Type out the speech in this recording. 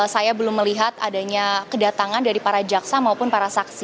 saya belum melihat adanya kedatangan dari para jaksa maupun para saksi